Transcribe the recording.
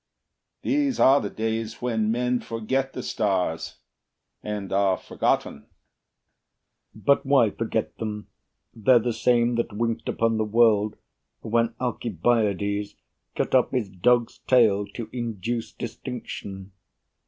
These are the days When men forget the stars, and are forgotten. BURR But why forget them? They're the same that winked Upon the world when Alcibiades Cut off his dog's tail to induce distinction.